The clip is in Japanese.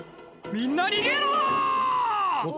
「みんな逃げろ！」